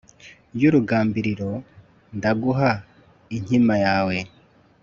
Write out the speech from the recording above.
y'urugambiriro ndaguha inkima yawe